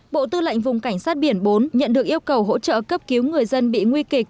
bộ tư lệnh vùng cảnh sát biển bốn nhận được yêu cầu hỗ trợ cấp cứu người dân bị nguy kịch